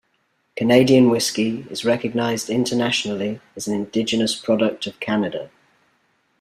Canadian whisky is recognized internationally as an indigenous product of Canada.